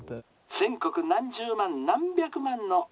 「全国何十万何百万の」。